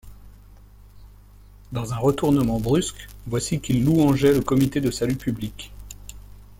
Dans un retournement brusque, voici qu’il louangeait le Comité de salut public.